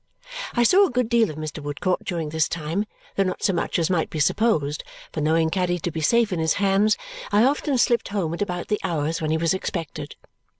I saw a good deal of Mr. Woodcourt during this time, though not so much as might be supposed, for knowing Caddy to be safe in his hands, I often slipped home at about the hours when he was expected.